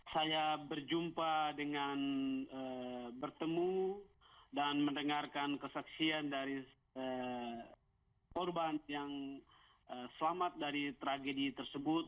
saya berjumpa dengan bertemu dan mendengarkan kesaksian dari korban yang selamat dari tragedi tersebut